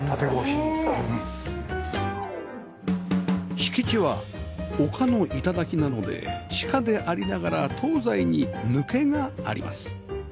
敷地は丘の頂なので地下でありながら東西に抜けがあります